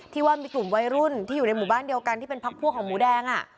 ว่ามีกลุ่มวัยรุ่นที่อยู่ในหมู่บ้านเดียวกันที่เป็นพักพวกของหมูแดง